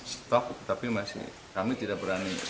stok tapi masih kami tidak berani